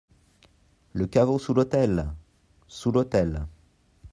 Le caveau sous l'autel ! Sous l'autel.